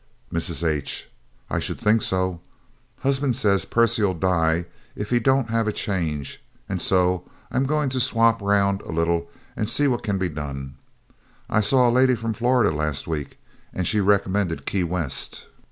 Mrs. H: "I should think so. Husband says Percy'll die if he don't have a change; and so I'm going to swap round a little and see what can be done. I saw a lady from Florida last week, and she recommended Key West.